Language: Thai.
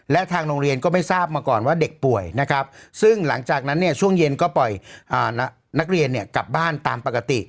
และทางโรงเรียนก็ไม่ทราบมาก่อนว่าเด็กป่วยนะครับซึ่งหลังจากนั้นเนี่ยช่วงเย็นก็ปล่อยนักเรียนเนี่ยกลับบ้านตามปกติ